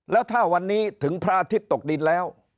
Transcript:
แล้วถ้าวันนี้ถึงพระอาทิตย์ตกดินแล้ว